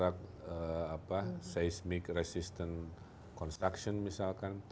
untuk belajar cara menggabungkan pembangunan yang tidak sesimik